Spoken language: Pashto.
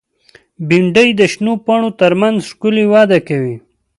بېنډۍ د شنو پاڼو تر منځ ښکلي وده کوي